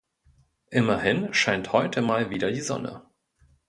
Immerhin scheint heute mal wieder die Sonne.